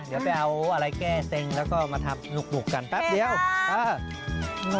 เดี๋ยวไปเอาอะไรแก้เซ็งแล้วก็มาทำหลุกกันแป๊บเดียวเออ